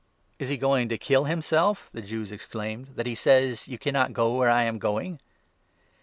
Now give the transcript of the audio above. Is he going to kill himself," the Jews exclaimed, " that he 22 says —' You cannot go where I am going